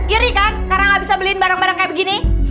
iri kan karena gak bisa beliin barang barang kayak begini